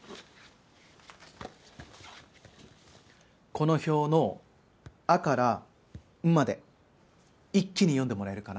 この表の「あ」から「ん」まで一気に読んでもらえるかな？